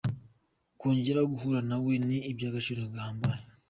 Kongera guhura na we ni iby’agaciro gahambaye.